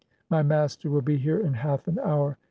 'My master will be here in half an hour.'